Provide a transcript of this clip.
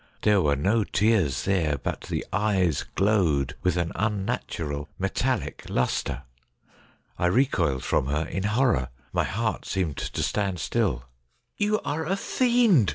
There were no tears there, but the eyes glowed with an unnatural metallic lustre. I recoiled from her in horror. My heart seemed to stand still. ' You are a fiend !